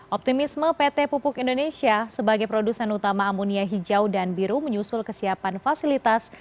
optimisme pt pupuk indonesia sebagai produsen utama amonia hijau dan biru menyusul kesiapan fasilitas